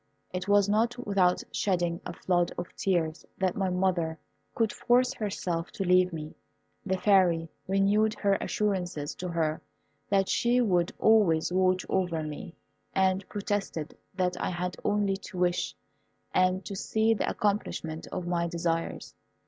It was not without shedding a flood of tears that my mother could force herself to leave me. The Fairy renewed her assurances to her that she would always watch over me, and protested that I had only to wish, and to see the accomplishment of my desires.